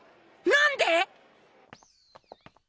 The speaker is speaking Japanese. なんで！？